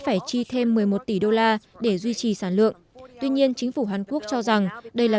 phải chi thêm một mươi một tỷ đô la để duy trì sản lượng tuy nhiên chính phủ hàn quốc cho rằng đây là